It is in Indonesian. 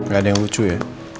gak ada yang lucu ya